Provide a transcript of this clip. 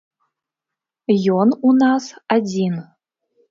Ён у нас адзін.